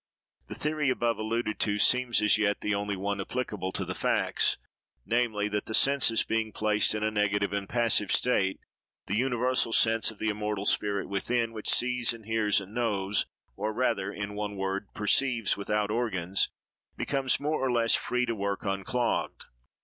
The theory above alluded to, seems as yet, the only one applicable to the facts, namely, that the senses, being placed in a negative and passive state, the universal sense of the immortal spirit within, which sees, and hears, and knows, or rather, in one word, perceives, without organs, becomes more or less free to work unclogged.